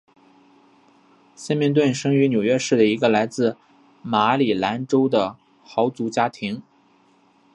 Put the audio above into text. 森明顿生于纽约市一个来自于马里兰州的豪族家庭。